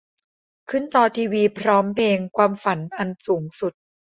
ขึ้นจอทีวีพร้อมเพลง "ความฝันอันสูงสุด"